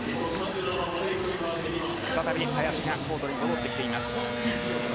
再び林がコートに戻ってきています。